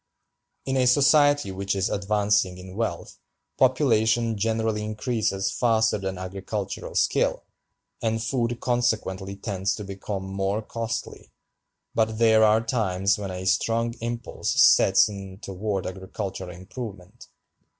In a society which is advancing in wealth, population generally increases faster than agricultural skill, and food consequently tends to become more costly; but there are times when a strong impulse sets in toward agricultural improvement.